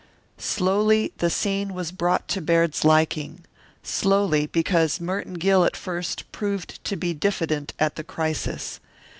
Slowly the scene was brought to Baird's liking. Slowly, because Merton Gill at first proved to be diffident at the crisis.